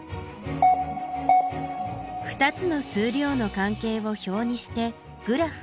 「２つの数量の関係を表にしてグラフを作る」。